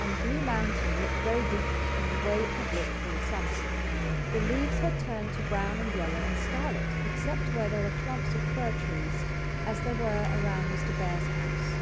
And Blue Mountain looked very different from the way it had looked all summer. The leaves had turned to brown and yellow and scarlet, except where there were clumps of fir trees, as there were around Mr. Bear's house.